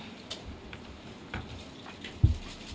อย่างที่สาม